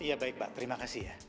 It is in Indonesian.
ya baik pak terima kasih ya